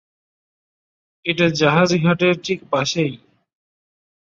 এটা জাহাজ ঘাটের ঠিক পাশেই।